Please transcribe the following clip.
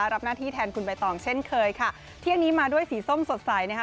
รับหน้าที่แทนคุณใบตองเช่นเคยค่ะเที่ยงนี้มาด้วยสีส้มสดใสนะคะ